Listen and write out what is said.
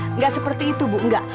enggak seperti itu bu enggak